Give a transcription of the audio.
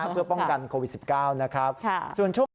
เพื่อป้องกันโควิด๑๙นะครับ